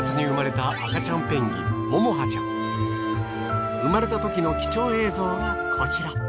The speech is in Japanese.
生まれたときの貴重映像がこちら。